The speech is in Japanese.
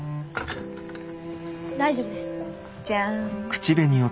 大丈夫です。じゃん！